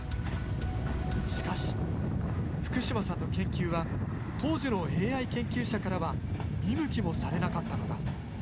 しかし福島さんの研究は当時のＡＩ研究者からは見向きもされなかったのだ。